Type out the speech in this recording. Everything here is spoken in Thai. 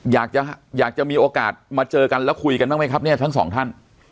อยากจะอยากจะมีโอกาสมาเจอกันแล้วคุยกันบ้างไหมครับเนี่ยทั้งสองท่าน